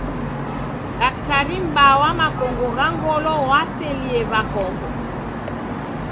Daktari m'baa wa makongo gha ngolo waselie w'akongo.